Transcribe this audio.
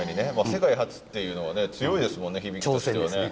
世界初っていうのはね強いですもんね